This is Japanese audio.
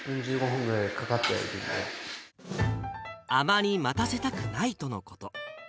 １０分、あまり待たせたくないとのこと。